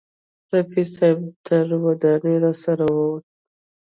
رفیع صاحب تر ودانۍ راسره راوووت.